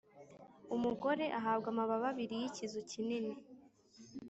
Umugore ahabwa amababa abiri y’ikizu kinini,